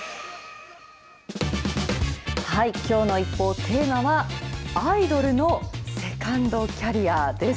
きょうのＩＰＰＯＵ、テーマは、アイドルのセカンドキャリアです。